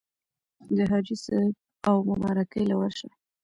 د حاجي صېب اومبارکۍ له ورشه